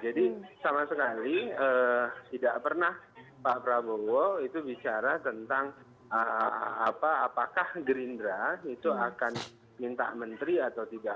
jadi sama sekali tidak pernah pak prabowo bicara apakah gerindra itu akan minta menteri atau tidak